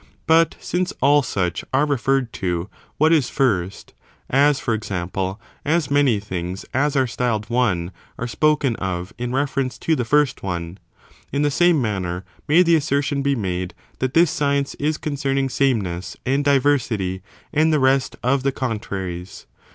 But since all such are referred to what is first — as, for example ; as many things as are styled one are spoken of in reference to the first one — ^in the same manner may the assertion be made, that this science is concerning sameness and diversity, and the rest of the contraries.